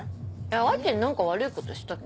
あーちん何か悪いことしたっけ？